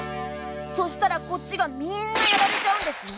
そしたらこっちがみんなやられちゃうんですよ。